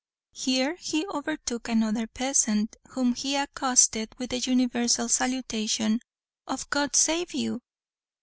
Here he overtook another peasant, whom he accosted with the universal salutation of "God save you!"